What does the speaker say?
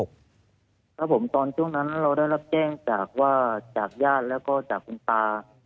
ครับผมตอนช่วงนั้นเราได้รับแจ้งจากว่าจากญาติแล้วก็จากคุณตา